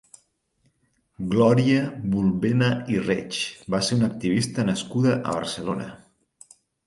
Glòria Bulbena i Reig va ser una activista nascuda a Barcelona.